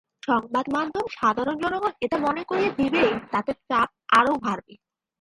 সংবাদমাধ্যম, সাধারণ জনগণ এটা মনে করিয়ে দেবেই, তাতে চাপ আরও বাড়বে।